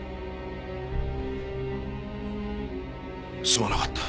すまなかった。